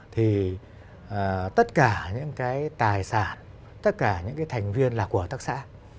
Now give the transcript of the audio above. thì tất cả những cái tài sản tất cả những cái thành viên là của hợp tác xã